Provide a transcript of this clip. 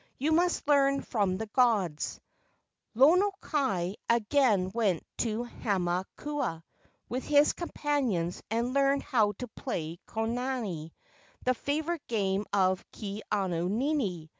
You must learn from the gods." Lono kai again went to Hama kua with his companions and learned how to play konane, the favorite game of Ke au nini.